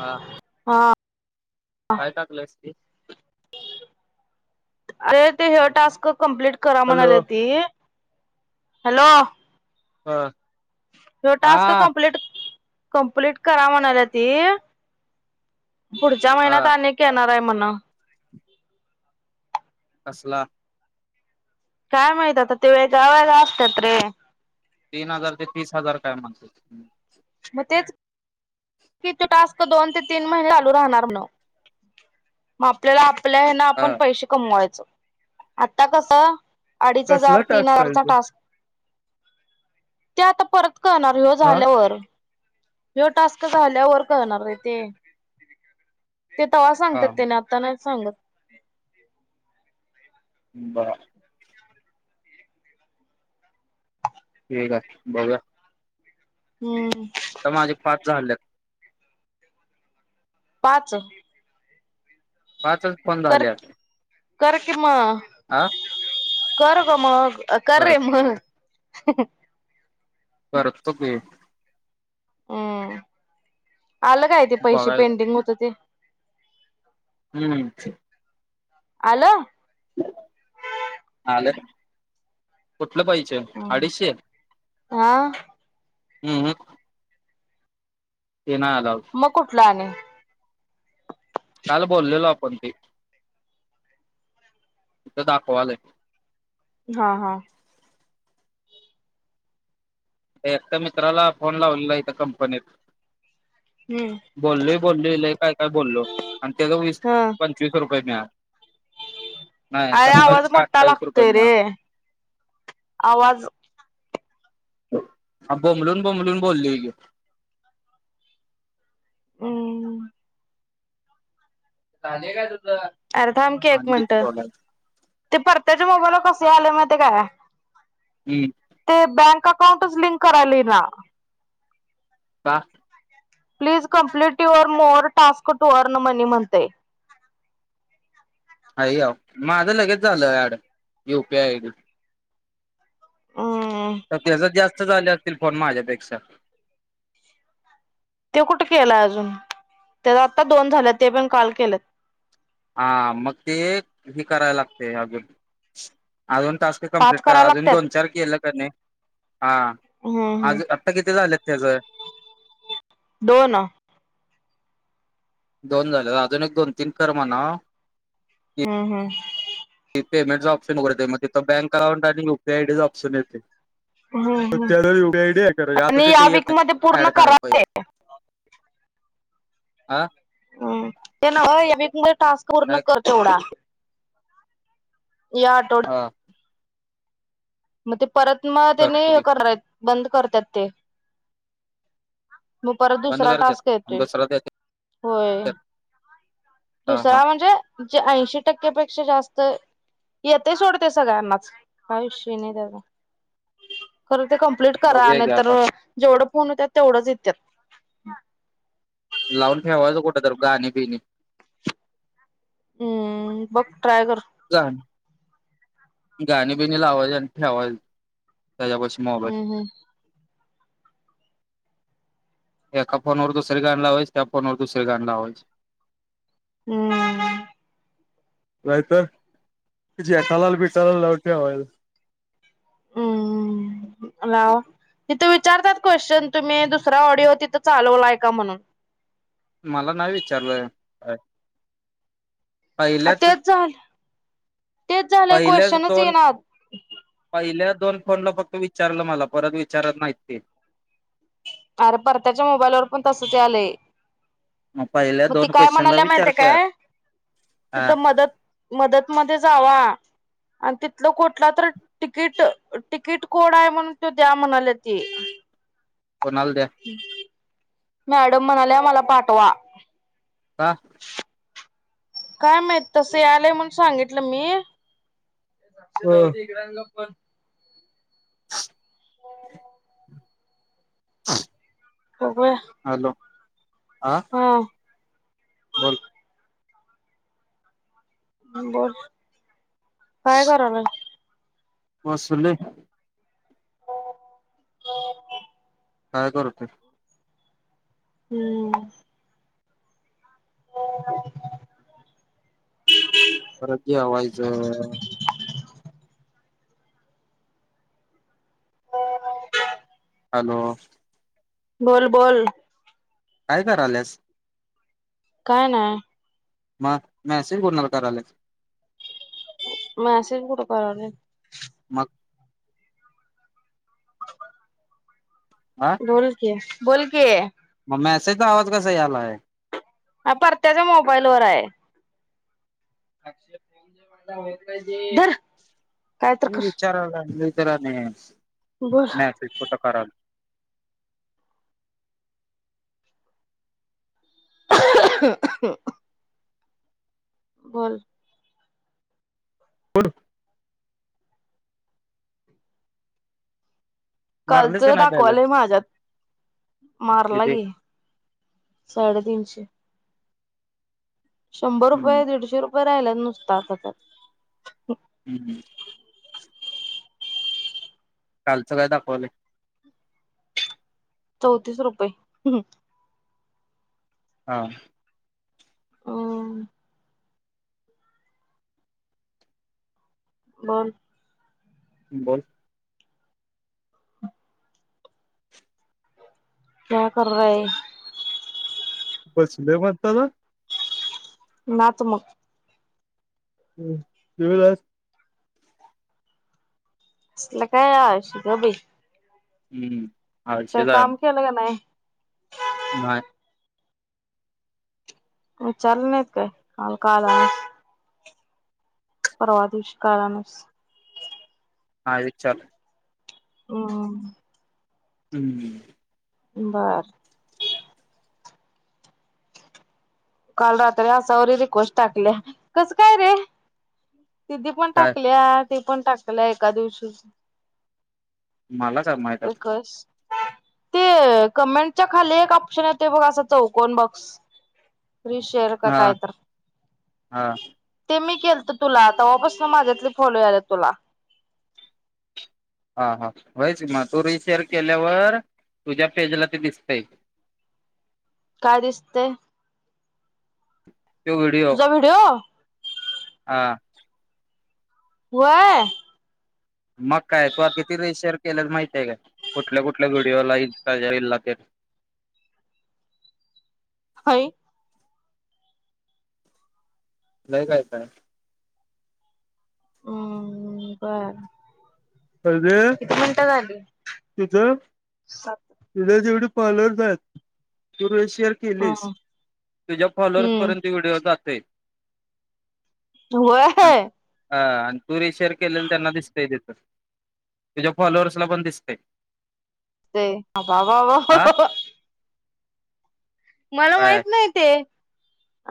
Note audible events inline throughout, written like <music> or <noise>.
हा. हा. काय टाकलंयस ते अरे ते हयो टास्क कंप्लीट- करा हॅलो म्हणायल्याती. हॅलो. हां. त्यो टास्क कमप्लीट कमप्लीट करा म्हणायल्याती. पुढच्या हा महिन्यात आणिक येणार आहे म्हण. कसला? काय माहित? आता ते वेगळा वेगळा असत्यात रे. तीन हजार ते तीस हजार काय म्हणत्यात. म तेच- की ते टास्क दोन ते तीन महिने चालू राहणार म्हण. म आपल्याला आपल्या हेन हा आपण पैसे कमवायचं. आत्ता कसं? अडीच कसला हजार, तीन टास्क आहे हजारचा तो टास्क- ते आता परत कळणार. ह्यो हा झाल्यावर. ह्यो टास्क झाल्यावर कळणार रे ते. ते तवा हा सांगत्यात. त्याने आ- त्या नाहीत सांगत. हं. बरं. ठीक आहे. बघुया. हूं. आता माझे पाच झाल्यात. पाच? पाचच फोन कर झाल्यात. कर की म. आं? कर ग मग. कर रे करत मग. करतो की. अं. आलं काय ते पैसे बघाय पेंडिंग होतं ते? हम्म. आलं? आल. कुठलं पै- अ अडीचशे? हा अं हं. ते नाय आलाउड. मग कुठल आणि काल बोललेलो आपण ते, तिथ दाखवालय. हा हा एकट्या मित्राला फोन लावलेला इथ कपनीत. हम्म बोललोय बोललोय लय काय काय बोललो. आणि त्याच वीस ह पंचवीस रुपये मिळाले. नाही अरे आवाज सत्तावीस का मोठा अठ्ठावीस रुपये लागतोय रे. मिळाले. आवाज बोंबलून बोंबलून बोललोय यो हम्म झाल काय तुझ? अरे थांब की एक आणि मिनिट. किती बोलायचं ते परत्याच्या मोबाईलला कसे आलय माहितेय काय? हम्म ते बँक अकाउंटच लिंक करायला येईना. का please complete your more task to earn money म्हणतय. आयो, माझ लगेच झाल ऍड युपी आय डी. हम्म त, त्याच्याच जास्त झाले असतील फोन माझ्यापेक्षा. तु कुठे केल अजून. त्याच आत्ता दोन झाल्यात. ते पण काल केलेत. हा मग ते हे करायला लागतय अजून. अजून टास्क पाच कम्प्लीट करा. करायला अजुन लागतात दोन चार केल का नाही, आ हम्म हम्म आज आता किती झालेत त्याच. दोन दोन झाले व्हय, अजून एक, दोन, तीन कर म्हणाव. हम्म हम्म ते पेमेंट ऑप्शन वर येत. तिथ बँक अकांट आणि युपी आय आयडी च ऑप्शन येते. हम्म हम् त्याला एवढी आयडी आहे. आता आणि या तिथे येत वीक नाही. मध्ये पूर्ण ऍड करायला करा पाहिजे. ते आ हम्म त्ये नव्ह, ये विकमध्ये टास्क पूर्ण काय कर तेवढा. याटो हा मग ते परत मग कर त्याने हे ओके करय, बंद करतात ते. मग परत बंद दुसरा कर त्यात टास्क आणि येतोय. दुसरा त्यात होय. कर. हा हा दुसरा म्हणजे, ज ऐंशी टक्केपेक्षा जास्त येत सोड ते सगळ्यांनाच. काय विषय नाही त्याचा. खर ते कंम प्लीट करा. बघूया नाही घ्या तर आता जेवढ फोन होत्यात तेवढच येत्यात. लावून ठेवायच कुठ तरी गाणे बिणे. हम्म, बघ ट्राय कर झाल गाणे बिणे लावाचे आणि ठेवायच त्याच्यापाशी. मोबाईल हम्म हम्म एका फोन वर दुसरी गाणी लावायची. त्या फोन वर दुसरी गाणी लावायची. हम्म हम्म नाही तर जेटालाल बिटालाल लावून ठेवायल. <inaudible> हा, तिथं विचारतात क्वेश्चन, तुम्ही दुसरा ऑडिओ तिथं चालवलाय का म्हणून. मला नाही विचारल. अ पहिल्याच तेच झालं तेच झालंय पहिल्याच क्वेश्चनच दोन येईना पहिल्या दोन फोनला फक्त विचारलं मला, परत विचारत नाहीत ते. आरं परत्याच्या मोबाईल वर पण तसंच आलंय. मग पहिल्या मग ती दोन काय क्वेश्चनला म्हणायला माहितीय विचारत्यात काय? हा तिथं मदत मदत मध्ये जावा आणि तिथलं कुठला तरी तिकीट- तिकीट कोड आहे, म्हणून तो द्या म्हणाले ते. कोणाल द्या ह्म. मॅडम म्हणाल्या आम्हांला पाठवा. का? काय माहित तसे आले म्हणुन सांगितलं मी. ह <inaudible> <inaudible> <inaudible> बगूया. हॅलो, आं. हा. बोल. <inaudible> काय कराला? बसुले <inaudible> काय करुते? हम्म. <inaudible> परत जेवायचं. <inaudible> हॅलो? बोल-बोल. काय करायल्यास? काय नाय. मग मॅसेज कोणाला करायल्यात? मॅसेज कुठं करायले. मग? हा बोल के, बोल की. मग मेसेज आवाज कसा आलाय? हा परत्याच्या मोबाईलवर आहे. <inaudible> धर. काय तर नय कर विचारला <unintelligible> बोल मॅसेज कुठं कराल. <inaudible> बोल? हलो. मारलीस का कालचं नाही दाखवायले बॅलन्स माझ्यात मारला किती की. साडे-तीनशे शंभर हम्म रुपये दीडशे रुपये राहिल्यात नुसता आता त्यात हम् हम्. कालचं काय दाखवलय चौतीस रुपये हा अ बोल बोल क्या कर रहे? बसलोय म्हनताना नाच मग तु नाच कसलं काय आळशी क बइ हम्म आळशी काय काम केलं का नाय नाय विचारल नाइत काय काल का आला नाइस परवा दिवशी का आला नाहीस नाय विचारल हम हम्म हम बरं काल रात्री आसावरी रिक्वेस्ट टाकल्या कसं काय रे दिदी पण काय टाकल्या ती पण टाकल्या एका दिवशीच मला काय माहित आता रिक्वेस्ट ते कमेंटच्या खाली एक ऑप्शन येतो बघ असा चौकन बॉक्स रि शेअर का काय हा तर हा ते मी केलत तुला तवापसन माझ्यातली फॉलो याल्यात तुला हा हा व्हईच म तू रिशेअर केल्यावर तुझ्या पेजला ते दिसतय. काय दिसतय? तो तुझा व्हिडिओ हां वय मग काय तू अ किती रि शेअर केल्यास माहितीय काय कुटल्या कुटल्या व्हिडिओला इनस्टाचा रिल ला तेन हैइ नाही काय काय हम् बर आणि किती मिनिटं झाली? तिज सात तुज जेवडी फाॅलोअरस एत तु रिशेअर केलीस हम्म तुझ्या फॉलोअर्स हम्म पर्यंत त्यो व्हिडिओ जातय. व्हय हा आणि तू रिशेअर केलेलं त्यांना दिसतय तितं तुज्या फॉलोअर्सला पण दिसतय ते बा वा वा हा वा मला काय माइत नइ ते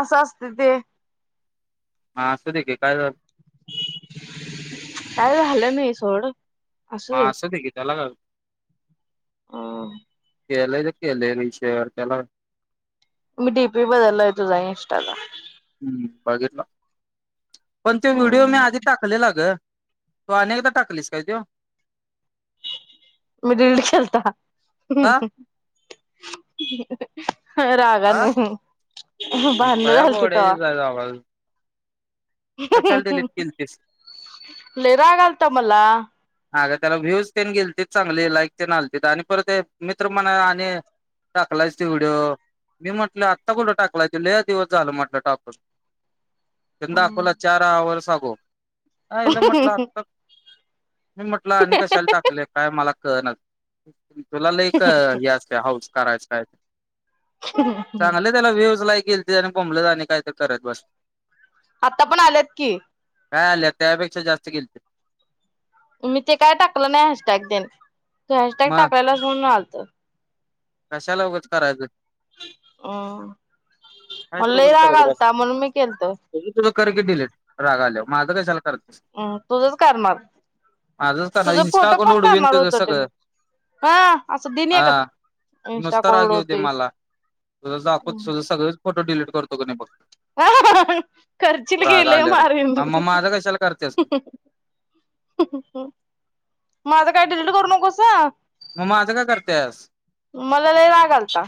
असं असत ते हा, असू दे की, काय झा काय झालं, नाही सोड. हा, असू दे की, त्याला होतयं. <unintelligible> केलं ते केलंय रील शेअर त्याला मी डी पी बदलाय तुझा इंस्टाल. हम, बघितला पण तो व्हिडिओ मी आधी टाक टाकलेला ग तू, आणि एकदा टाकलीस काय तो. मी डिलिट केलता. का <inaudible> हा? रागानं. भांडण पळ्या झालती तवा. बोड्याची आवाज कशाला डिलीट केलतीस? लय राग आलता मला. अगं, त्याला व्ह्यूज तेन गेलतील चांगली, लाईक तेन आलतीत आणि परत ते मित्र म्हणाला आणि टाकलायसं, तो व्हिडीओ मी म्हटलं आता कुठं टाकलाय तो? लय दिवस झालं म्हटलं टाकून. त्यानं, दाखवला चार हव्हर्स एगो एयला म्हंटल आता मी म्हटलं, आणि कशाला टाकले, काय मला कळनाच. तुला लय क हे असत. हाऊस करायचं काय बी चांगलं. त्याला, व्ह्यूज लाईक केलते आणि बोंबलत आणि काय तर करत बस. आता पण आलेत की. काय, आल्यात त्यापेक्षा जास्त गेलते. मी ते काय टाकलं नाही, हॅशटॅग तेन तू हॅशटॅग मग टाकलेलासं म्हणून आलते. कशाला उगचं करायचं. अं, काय मला तर लय उगच राग करायचं बस आलता म्हणून मी केलंत. तुझं तुला कर की, डिलिट राग आल्याव माझं कशाला कर. हम्, तुझंच करणार, माझंच करणार तुझं इन्स्टा फोटो अकाउंट पण उडवीन करणार तुझं होतं सगळं डिलिट. हं, असं दिनं हा एकच <unintelligible> तुला दाखवतो तुझं, सगळंच फोटो डिलीट करतो का नाही बघ. <unintelligible> करचील की, राग लय आल्यावर मारीन. मग माझं कशाला करतेस तू माझं, काय डिलीट करू नकोस अ. म माझं का करतियास? मला लय राग आलता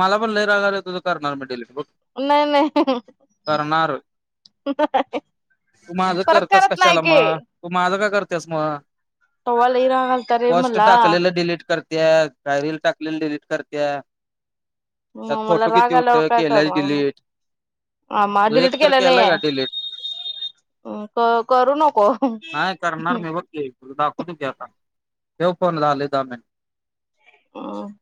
मला पण लय राग आल्याव. तुझं, करणार मी डिलिट बघ तू नाही नाही करणार. तू माझं परत करतेयस करत नाही कशाला की मग? तू माझं का करतेस मग? तवा लय राग आलता रे पोस्ट मला. टाकलेलं डिलीट करतेयास, काय रील टाकलेली डिलीट करतेया. मग मला राग आल्यावर काय केल्यास करणार मग. डिलीट आ मा तुझं एक डिलीट तर केलं नाही. केलाय का डिलीट अ क करू नको. नाही करणार मी बघ की तुला दाखवतो की, आता. <unintelligible> <unintelligible>